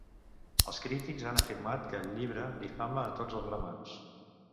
Els crítics han afirmat que el llibre difama a tots els bramans.